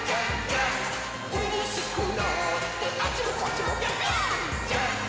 「うれしくなってあっちもこっちもぴょぴょーん」